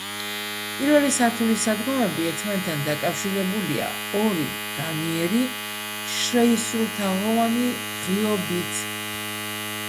პირველი სართულის სადგომები ერთმანეთთან დაკავშირებულია ორი, განიერი, შეისრულთაღოვანი ღიობით.